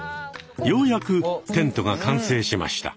ようやくテントが完成しました。